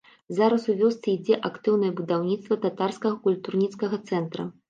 Зараз у вёсцы ідзе актыўнае будаўніцтва татарскага культурніцкага цэнтра.